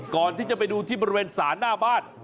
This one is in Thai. ก่อนที่จะไปดูที่บริเวณศาลหน้าบ้าน